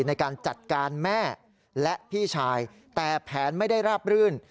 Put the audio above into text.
ในการจัดการแม่และพี่ชายแต่แผนไม่ได้ราบรื่น